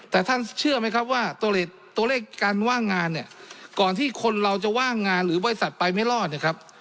แต่ท่านเชื่อไหมครับว่าตัวเลขการว่างงานเนี่ยก่อนที่คนเราจะว่างงานหรือบริษัทไปไม่รอดเนี่ยครับ